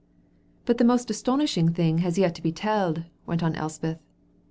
"But the most astounding thing has yet to be telled," went on Elspeth.